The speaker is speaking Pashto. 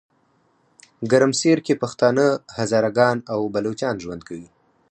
ګرمسیرکې پښتانه، هزاره ګان او بلوچان ژوند کوي.